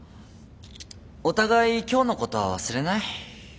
お互い今日のことは忘れない？